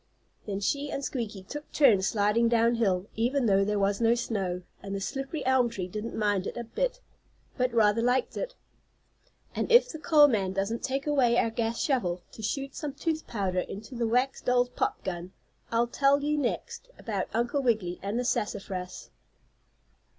Then she and Squeaky took turns sliding down hill, even though there was no snow, and the slippery elm tree didn't mind it a bit, but rather liked it. And if the coal man doesn't take away our gas shovel to shoot some tooth powder into the wax doll's pop gun, I'll tell you next about Uncle Wiggily and the sassafras.